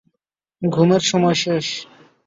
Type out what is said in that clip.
ঘুমের সময় শেষ।